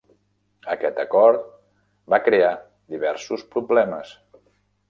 Aquest acord va crear diversos problemes.